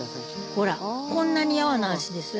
ほらこんなに柔な足ですよ